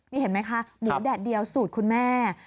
นี่เห็นไหมคะหมูแดดเดียวสูตรคุณแม่